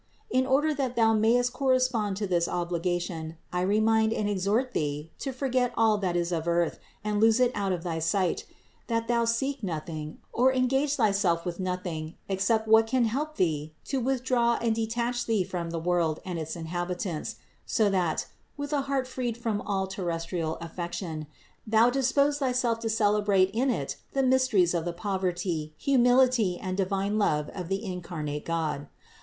In order that thou mayest correspond to this ob ligation, I remind and exhort thee to forget all that is of earth and lose it out of thy sight; that thou seek nothing, or engage thyself with nothing except what can help thee to withdraw and detach thee from the world and its inhabitants; so that, with a heart freed from all terrestrial affection, thou dispose thyself to celebrate in it the mysteries of the poverty, humility and divine love of the incarnate God.